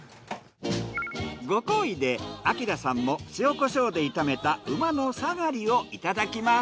ご厚意でアキラさんも塩コショウで炒めた馬のさがりをいただきます。